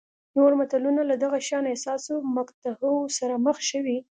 نور ملتونه له دغه شان حساسو مقطعو سره مخ شوي.